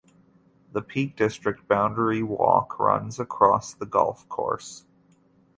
The Peak District Boundary Walk runs across the golf course.